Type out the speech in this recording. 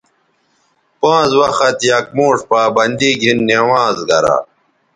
پانز وخت یک موݜ پابندی گھن نمازگرا